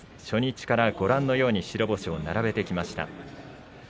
初日からご覧のように白星を並べてきました。